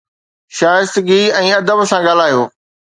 شائستگي ۽ ادب سان ڳالهايو.